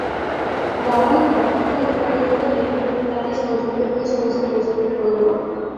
বরং অভিন্ন উপাদানগুলো বিভিন্ন অনুপাতে সংযুক্ত হয়ে সমস্ত বস্তু উৎপন্ন করে।